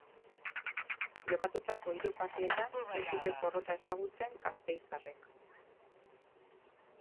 Jokatutako hiru partidetan ez dute porrota ezagutzen gasteiztarrek.